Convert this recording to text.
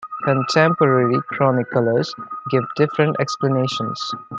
Contemporary chroniclers give different explanations.